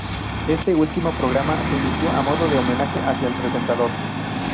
Este último programa se emitió a modo de homenaje hacia el presentador.